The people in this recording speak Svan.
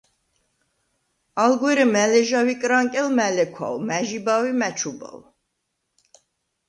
ალ გვერე მა̈ ლეჟავ იკრანკელ, მა̈ ლექვავ, მა̈ ჟიბავ ი მა̈ ჩუბავ.